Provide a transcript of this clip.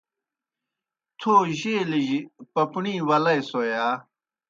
تھو جیلِجیْ پپݨی ولئےسوئے یا؟